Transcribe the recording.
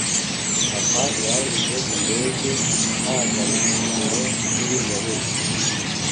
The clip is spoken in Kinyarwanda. Papa yanguze indege ntangarugero kuri Noheri.